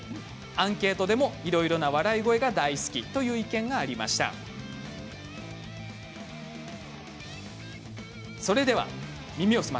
アンケートでもいろいろな笑い声が大好きという意見があったんです。